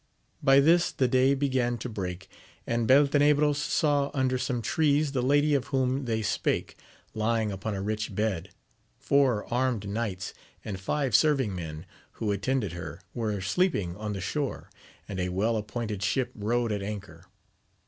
By this the day began to break, and Beltenebros saw under some trees the lady of whom they spake, lying upon a rich bed; four armed knights and five serving men, who attended her, were sleeping on the shore, and a well appointed ship rode at anchor.